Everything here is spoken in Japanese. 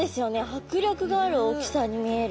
迫力がある大きさに見える。